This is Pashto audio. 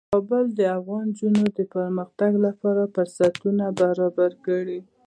کابل د افغان نجونو د پرمختګ لپاره فرصتونه برابروي.